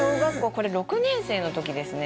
これ６年生の時ですね